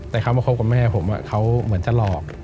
แต่เขามาคบกับแม่ผมเขาเหมือนจะหลอก